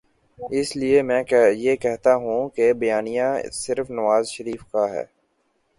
اس لیے میں یہ کہتا ہوں کہ بیانیہ صرف نوازشریف کا ہے۔